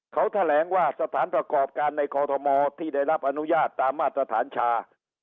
เขาแถลงว่าสถานประกอบการในกอทมที่ได้รับอนุญาตตามมาตรฐานชา